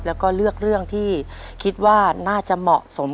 แล้วก็เลือกเรื่องที่คิดว่าน่าจะเหมาะสม